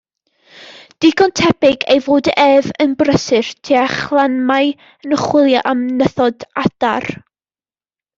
Digon tebyg ei fod ef yn brysur tua Chalanmai yn chwilio am nythod adar.